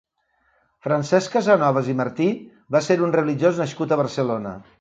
Francesc Casanovas i Martí va ser un religiós nascut a Barcelona.